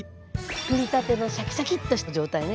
つくりたてのシャキシャキッとした状態ね。